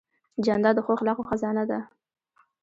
جانداد د ښو اخلاقو خزانه ده.